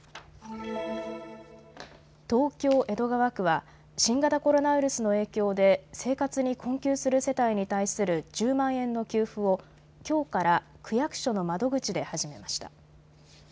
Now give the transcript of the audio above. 東京江戸川区は新型コロナウイルスの影響で生活に困窮する世帯に対する１０万円の給付をきょうから区役所の窓口で始めました。